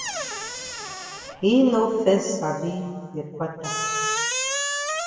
Yi no fes sabi de kwata.